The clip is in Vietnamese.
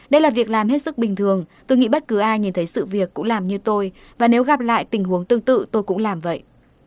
đây là việc làm hết sức bình thường tôi nghĩ bất cứ ai nhìn thấy sự việc cũng làm như tôi và nếu gặp lại tình huống tương tự tôi cũng làm vậy